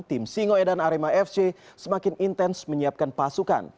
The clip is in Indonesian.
tim singoedan arema fc semakin intens menyiapkan pasukan